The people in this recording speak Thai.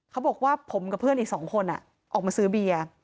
เขาบอกว่าผมกับเพื่อนอีก๒คนออกมาซื้อเบียร์